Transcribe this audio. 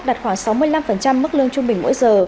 đạt khoảng sáu mươi năm mức lương trung bình mỗi giờ